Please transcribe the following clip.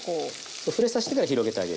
そう触れさしてから広げてあげる。